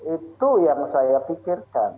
itu yang saya pikirkan